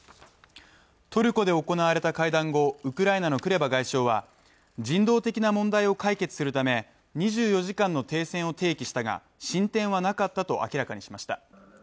トルコで行われた会談後、ウクライナのクレバ外相は人道的な問題を解決するため２４時間の停戦を提起したが進展はなかったと明らかにしました。